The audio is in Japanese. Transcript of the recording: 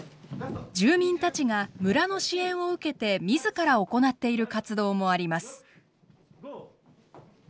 住民たちが村の支援を受けて自ら行っている活動もあります。